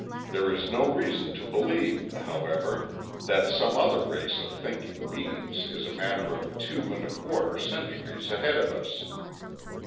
There is reason to believe, however, that some other race of thinking beings is a matter of two and a quarter centuries ahead of us.